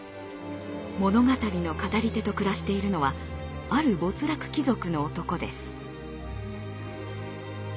物語の語り手と暮らしているのはある没落貴族の男です。